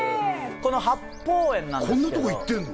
この八芳園なんですけどこんなとこ行ってんの？